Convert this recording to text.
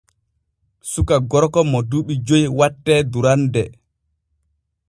Suka gorko mo duuɓi joy wattee durande.